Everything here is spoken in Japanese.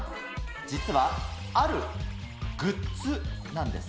実はあるグッズなんです。